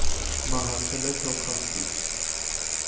Մահացել է թոքախտից։